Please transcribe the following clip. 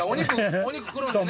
お肉くるんでね。